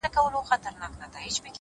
هڅاند انسان د انتظار پرځای حرکت کوي,